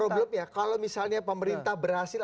problemnya kalau misalnya pemerintah berhasil